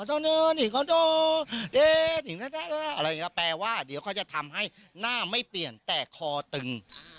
อะไรอย่างนี้แปลว่าเดี๋ยวเขาจะทำให้หน้าไม่เปลี่ยนแต่คอตึง